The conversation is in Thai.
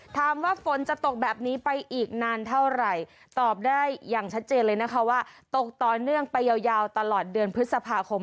ถามว่าฝนจะตกแบบนี้ไปอีกนานเท่าไหร่ตอบได้อย่างชัดเจนเลยนะคะว่าตกต่อเนื่องไปยาวตลอดเดือนพฤษภาคม